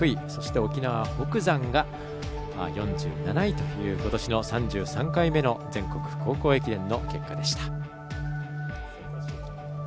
沖縄北山が４７位ということしの３３回目の全国高校駅伝の結果でした。